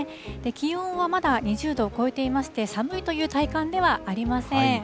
気温はまだ２０度を超えていまして、寒いという体感ではありません。